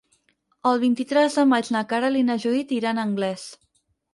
El vint-i-tres de maig na Queralt i na Judit iran a Anglès.